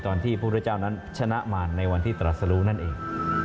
ตอนที่พุทธเจ้านั้นชนะมาในวันที่ตรัสรู้นั่นเอง